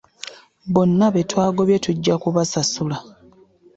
Bonna be twagobye tujja kubasasula.